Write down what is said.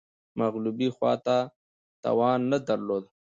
مغلوبې خوا توان نه درلود